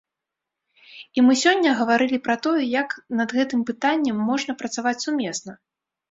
І мы сёння гаварылі пра тое, як над гэтым пытаннем можна працаваць сумесна.